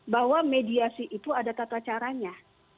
bahwa mediasi itu ada tata caranya